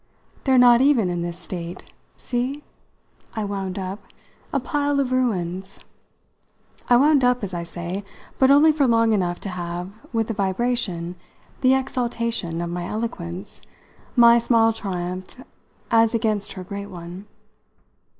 They're not even in this state see!" I wound up "a pile of ruins!" I wound up, as I say, but only for long enough to have, with the vibration, the exaltation, of my eloquence, my small triumph as against her great one.